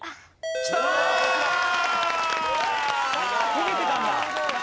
焦げてたんだ。